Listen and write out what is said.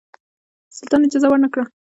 سلطان اجازه ورنه کړه.